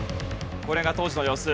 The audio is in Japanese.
これが当時の様子。